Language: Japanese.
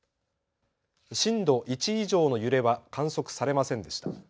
震度１以上の揺れは観測されませんでした。